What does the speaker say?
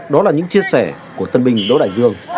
đó là những chia sẻ của tân binh đỗ đại dương